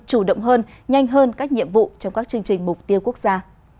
chủ động hơn nhanh hơn các nhiệm vụ trong các chương trình mục tiêu quốc gia